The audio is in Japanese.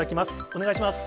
お願いします。